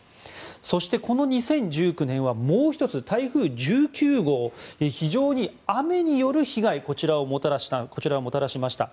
そして、この２０１９年はもう１つ台風１９号非常に雨による被害をもたらしました。